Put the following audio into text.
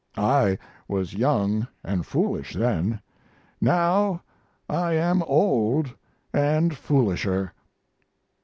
I was young and foolish then; now I am old and foolisher."